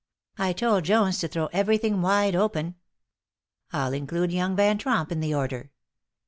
I told Jones to throw everything wide open. I'll include young Van Tromp in the order.